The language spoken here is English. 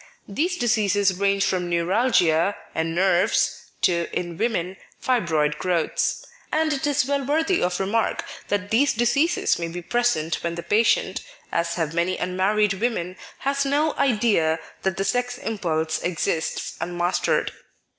These diseases range from neuralgia and " nerves " to (in jvomen) fibroid growths. And it is well worthy of remark that these diseases may be present when the patient (as have many unmarried women) has no idea that the sex impulse exists un mastered.